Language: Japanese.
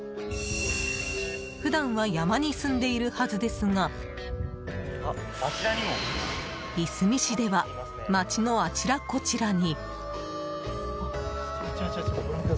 普段は山にすんでいるはずですがいすみ市では街のあちらこちらに。